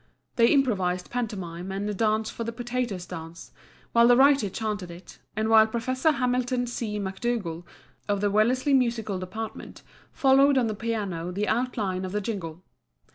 They improvised pantomime and dance for the Potatoes' Dance, while the writer chanted it, and while Professor Hamilton C. Macdougall of the Wellesley musical department followed on the piano the outline of the jingle.